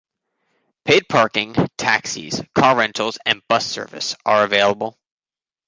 Paid parking, taxis, car rentals and bus service are available.